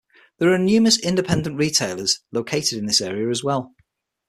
There are numerous independent retailers located in this area as well.